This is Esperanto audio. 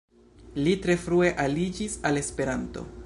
Li tre frue aliĝis al Esperanto.